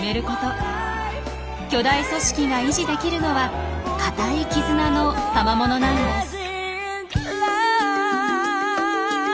巨大組織が維持できるのは固い絆のたまものなんです。